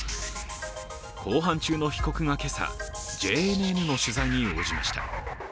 公判中の被告が今朝、ＪＮＮの取材に応じました。